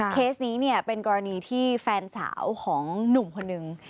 เคสนี้เนี่ยเป็นกรณีที่แฟนสาวของหนุ่มคนหนึ่ง